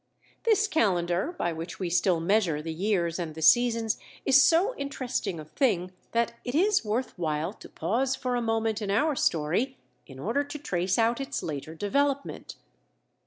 This calendar, by which we still measure the years and the seasons, is so interesting a thing that it is worth while to pause for a moment in our story in order to trace out its later development.